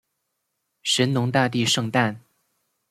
神农大帝圣诞